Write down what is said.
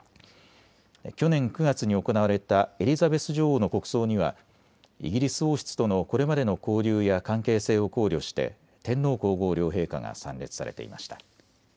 去年９月に行われたエリザベス女王の国葬にはイギリス王室とのこれまでの交流や関係性を考慮して天皇皇后両陛下が参列されていました。